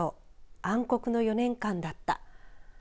暗黒の４年間だった。